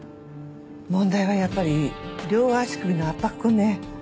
問題はやっぱり両足首の圧迫痕ね。